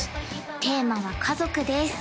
テーマは「家族」です